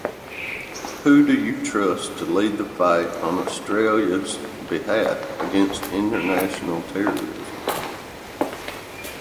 Who do you trust to lead the fight on Australia's behalf against international terrorism?